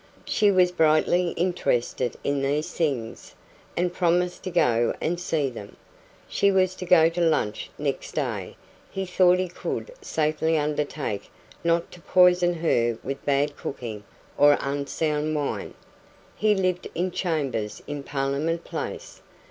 She was brightly interested in these things, and promised to go and see them. She was to go to lunch next day he thought he could safely undertake not to poison her with bad cooking or unsound wine. He lived in chambers in Parliament Place.